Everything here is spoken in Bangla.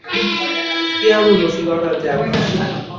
কী এমন রসিকতা যে এত হাসি!